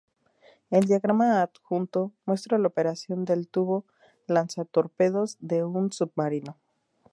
El diagrama adjunto muestra la operación del tubo lanzatorpedos de un submarino.